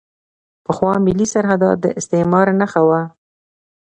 پخوا ملي سرحدات د استعمار نښه وو.